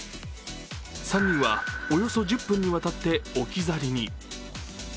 ３人は、およそ１０分にわたって置き去りに。